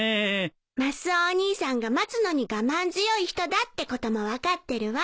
マスオお兄さんが待つのに我慢強い人だってことも分かってるわ。